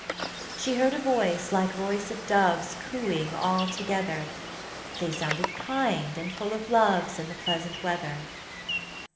She heard a voice like voice of doves Cooing all together: They sounded kind and full of loves In the pleasant weather.